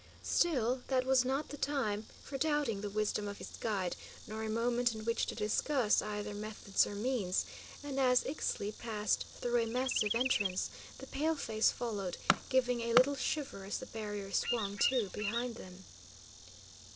Still, that was not the time for doubting the wisdom of his guide, nor a moment in which to discuss either methods or means; and as Ixtli passed through a massive entrance, the paleface followed, giving a little shiver as the barrier swung to behind them.